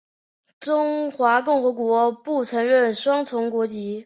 中华人民共和国不承认双重国籍。